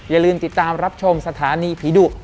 อย่าลืมติดตามรับชมสถานีผีดุ